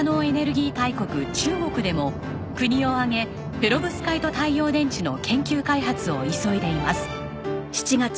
大国中国でも国を挙げペロブスカイト太陽電池の研究開発を急いでいます。